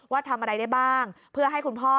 ว่าทำอะไรได้บ้างเพื่อให้คุณพ่อ